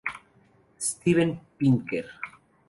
Steven Pinker.